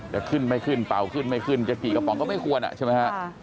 จะขึ้นไม่ขึ้นเป่าขึ้นไม่ขึ้นจะกี่กระป๋องก็ไม่ควรอ่ะใช่ไหมฮะ